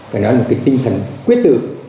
và đó là một cái tinh thần quyết tự